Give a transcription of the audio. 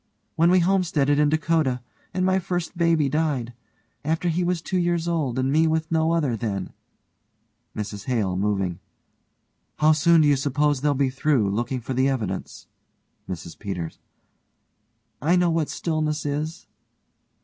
When we homesteaded in Dakota, and my first baby died after he was two years old, and me with no other then MRS HALE: (moving) How soon do you suppose they'll be through, looking for the evidence? MRS PETERS: I know what stillness is.